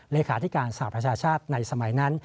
เลขาธิการสหประชาชาติในสมัยนั้น